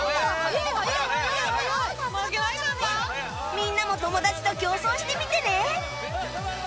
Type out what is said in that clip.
みんなも友達と競走してみてね